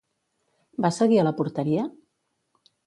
Va seguir a la porteria?